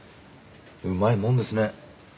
うまいもんですね。